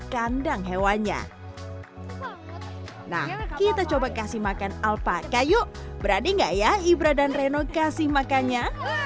kandang hewannya nah kita coba kasih makan alpaka yuk berani enggak ya ibra dan reno kasih makannya